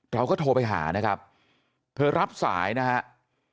เราก็โทรไปหานะครับเธอรับสายนะครับ